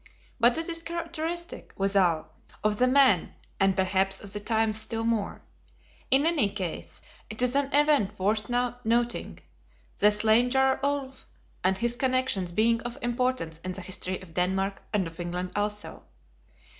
But it is characteristic, withal, of the man, and perhaps of the times still more. In any case, it is an event worth noting, the slain Jarl Ulf and his connections being of importance in the history of Denmark and of England also.